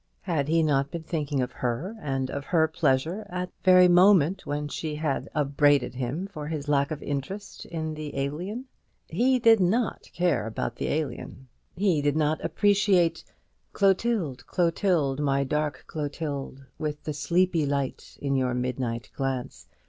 Had he not been thinking of her and of her pleasure at the very moment when she had upbraided him for his lack of interest in the Alien? He did not care about the Alien. He did not appreciate "Clotilde, Clotilde, my dark Clotilde! With the sleepy light in your midnight glance.